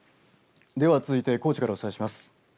では続いて高知からお伝えします。